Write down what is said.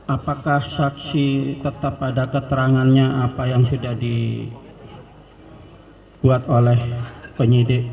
apakah saksi tetap ada keterangannya apa yang sudah dibuat oleh penyidik